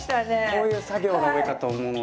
こういう作業が多いかと思うので。